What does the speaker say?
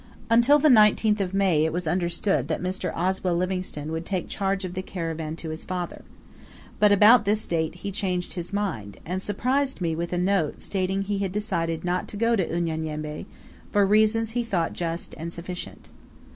Until the 19th of May it was understood that Mr. Oswell Livingstone would take charge of the caravan to his father; but about this date he changed his mind, and surprised me with a note stating he had decided not to go to Unyanyembe, for reasons he thought just and sufficient.